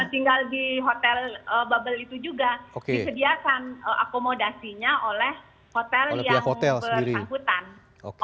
jadi tinggal di hotel bubble itu juga disediakan akomodasinya oleh hotel yang bersangkutan